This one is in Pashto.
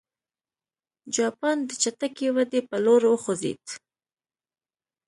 جاپان د چټکې ودې په لور وخوځېد.